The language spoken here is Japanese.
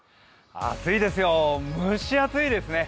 暑いですよ、蒸し暑いですね。